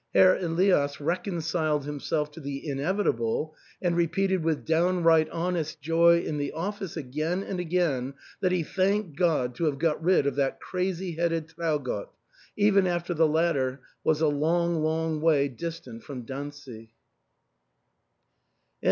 Herr Elias reconciled himself to the inevitable ; and repeated with downright honest joy in the office again and again that he thanked God to have got rid of that crazy headed Traugott — even after the latter was a long, long way distant from Dantzic.